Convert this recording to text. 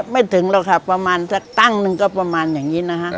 ไม่ถึงหรอกค่ะประมาณสักตั้งหนึ่งก็ประมาณอย่างนี้นะฮะ